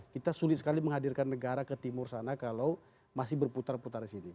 kita sulit sekali menghadirkan negara ke timur sana kalau masih berputar putar di sini